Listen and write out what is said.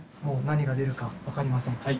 もう何が出るか分かりません。